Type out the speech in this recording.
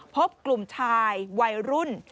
พบกลุ่มชายวัยรุ่น